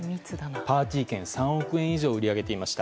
パーティー券を３億円以上売り上げていました。